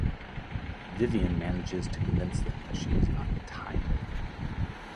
Vivian manages to convince them that she is not the Time Lady.